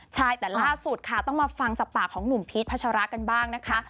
ใช่แต่ล่าสุดค่ะต้องมาฟังจากปากของหนุ่มพีชพัชระกันบ้างนะคะ